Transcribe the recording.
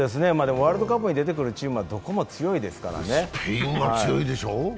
ワールドカップに出てくるチームはどこも強いですからね。